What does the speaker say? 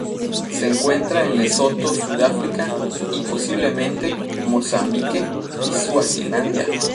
Se encuentra en Lesoto, Sudáfrica y, posiblemente, Mozambique y Suazilandia.